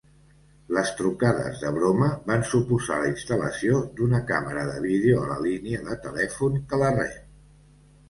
Les trucades de broma van suposar la instal·lació d'una càmera de vídeo a la línia de telèfon que la rep.